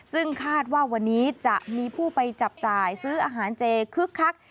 ซึ่งคาดว่าวันนี้จะมีผู้ไปจับจ่ายซื้ออาหารเจคึกคัก